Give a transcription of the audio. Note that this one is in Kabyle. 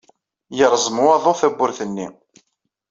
Yerẓem waḍu tawwurt-nni.